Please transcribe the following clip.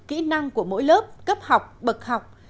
kỹ năng của mỗi lớp cấp học bậc học